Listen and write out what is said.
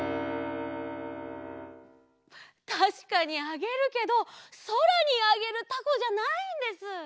たしかにあげるけどそらにあげるたこじゃないんです。